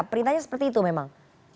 perintahnya seperti itu memang